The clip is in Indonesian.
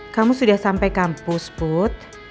kamu sudah sampai kampus put